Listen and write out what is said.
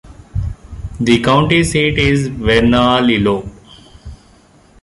The county seat is Bernalillo.